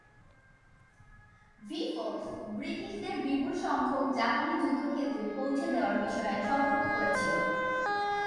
V force ব্রিটিশদের বিপুল সংখ্যক জাপানী যুদ্ধক্ষেত্রে পৌঁছে দেওয়ার বিষয়ে সতর্ক করেছিল।